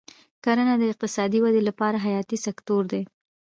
کرنه د اقتصادي ودې لپاره حیاتي سکتور دی.